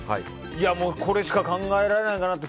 これしか考えられないかなと。